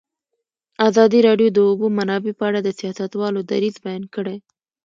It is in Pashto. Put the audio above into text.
ازادي راډیو د د اوبو منابع په اړه د سیاستوالو دریځ بیان کړی.